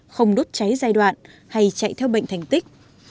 không đốt cháy giai đoạn hay chạy theo bệnh thành tích